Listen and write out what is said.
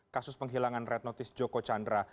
kasus penghilangan red notice joko chandra